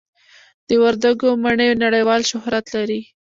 د وردګو مڼې نړیوال شهرت لري.